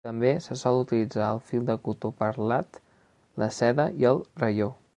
També se sol utilitzar el fil de cotó perlat, la seda i el raió.